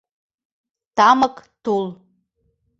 Тамык тул...